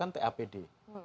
tim anggaran pemerintah daerah